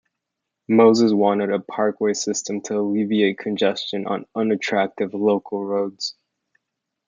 Moses wanted a parkway system to alleviate congestion on "unattractive" local roads.